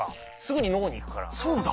そうだ。